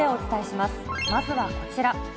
まずはこちら。